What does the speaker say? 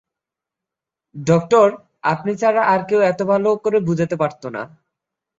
Doctor, আপনি ছাড়া আর কেউ এতো ভালো করে বুঝাতে পারত না।